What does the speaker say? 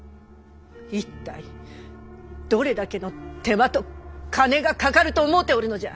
一体どれだけの手間と金がかかると思うておるのじゃ！